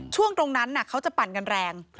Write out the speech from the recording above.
ช่วงตรงนั้นเขาจะปั่นกันแรง